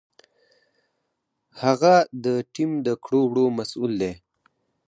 هغه د ټیم د کړو وړو مسؤل دی.